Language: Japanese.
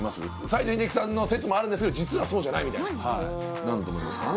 西城秀樹さんの説もあるんですけど実はそうじゃないみたいな何だと思いますか？